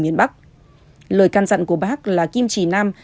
người can dặn của bác là kim trì nam